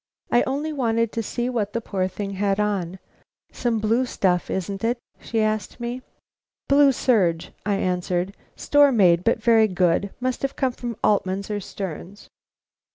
"I only wanted to see what the poor thing had on. Some blue stuff, isn't it?" she asked me. "Blue serge," I answered; "store made, but very good; must have come from Altman's or Stern's."